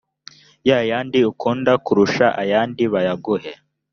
ya yandi ukunda kurusha ayandi bayaguhe